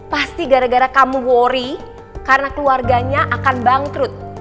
pasti gara gara kamu worry karena keluarganya akan bangkrut